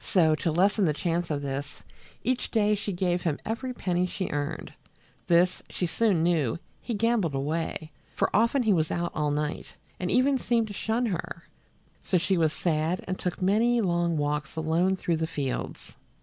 So, to lessen the chance of this, each day she gave him every penny she earned. This, she soon knew, he gambled away, for often he was out all night, and even seemed to shun her; so she was sad and took many long walks alone through the fields.